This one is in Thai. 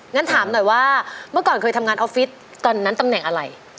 งั้นถามหน่อยว่าเมื่อก่อนเคยทำงานออฟฟิศตอนนั้นตำแหน่งอะไร